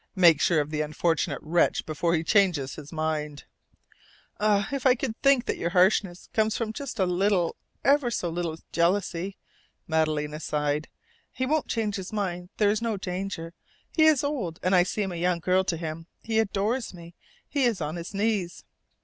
Make sure of the unfortunate wretch before he changes his mind." "Ah, if I could think that your harshness comes from just a little ever so little, jealousy!" Madalena sighed. "He won't change his mind. There is no danger. He is old, and I seem a young girl to him. He adores me. He is on his knees!"